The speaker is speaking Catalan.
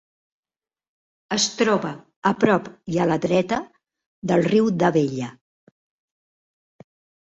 Es troba a prop i a la dreta del riu d'Abella.